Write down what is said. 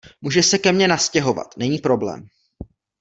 Můžeš se ke mě nastěhovat, není problém.